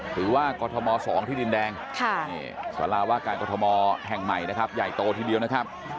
ถือว่ากรทม๒ที่ดินแดงศาลาวการกรทมแห่งใหม่ใหญ่โตทีเดียวนะครับ